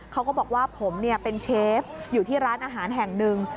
เขาก็บอกว่าผมเป็นเชฟอยู่ที่ร้านอาหารแห่งหนึ่ง